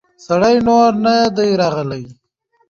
سړی نور نه دی راغلی.